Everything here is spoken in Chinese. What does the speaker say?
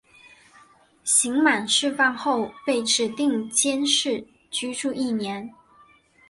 刑满释放后被指定监视居住一年。